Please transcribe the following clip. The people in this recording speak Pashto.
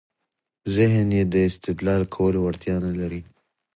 ذهن يې د استدلال کولو وړتیا نلري.